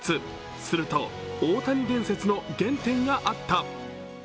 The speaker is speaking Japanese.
すると大谷伝説の原点があった。